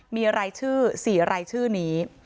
มีรายชื่อ๔รายชื่อนี้